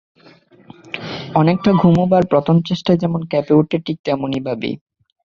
অনেকটা, ঘুমুবার প্রথম চেষ্টায় যেমন কেঁপে ওঠে ঠিক তেমনিভাবেই।